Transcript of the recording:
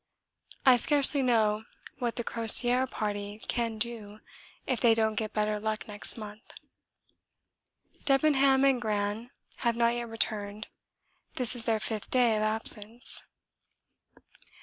I scarcely know what the Crozier party can do if they don't get better luck next month. Debenham and Gran have not yet returned; this is their fifth day of absence.